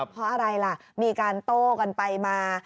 เพราะอะไรล่ะมีการโต้กันไปมา